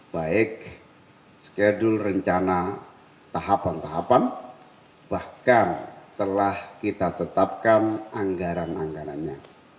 baik skedul rencana tahapan tahapan bahkan telah kita tetapkan anggaran anggarannya